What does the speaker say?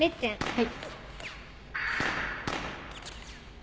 はい。